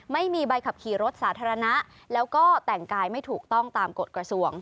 ไม่มีใบขับขี่รถสาธารณะแล้วก็แต่งกายไม่ถูกต้องตามกฎกระทรวง